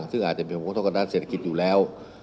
ซึ่งอาจจะมีผลกระทบกับด้านเศรษฐกิจอยู่แล้ว